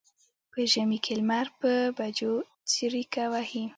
په ژمي کې لمر په بجو څریکه وهي.